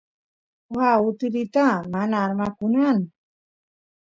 waa utulita mana armakunan